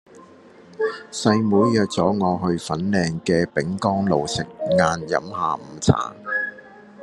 細妹約左我去粉嶺嘅丙岡路食晏飲下午茶